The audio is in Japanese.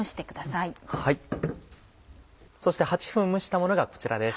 そして８分蒸したものがこちらです。